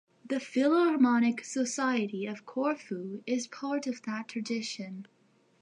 The Philharmonic Society of Corfu is part of that tradition.